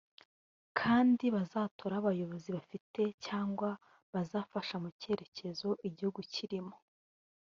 kandi bazatore abayobozi bafite cyangwa bazafasha mu cyerekezo igihugu kirimo